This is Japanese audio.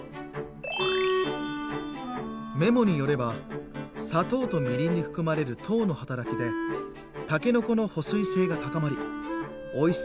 メモによれば「砂糖とみりんに含まれる糖の働きでたけのこの保水性が高まりおいしさを保つことができる」。